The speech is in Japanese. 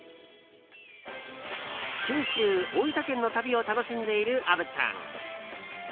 九州・大分県の旅を楽しんでいる虻ちゃん。